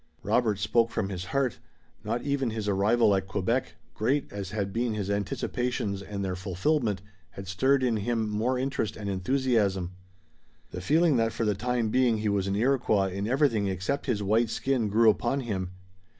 Robert spoke from his heart. Not even his arrival at Quebec, great as had been his anticipations and their fulfillment, had stirred in him more interest and enthusiasm. The feeling that for the time being he was an Iroquois in everything except his white skin grew upon him.